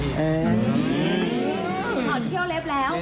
อ๋อเพี้ยวเล็บแล้ว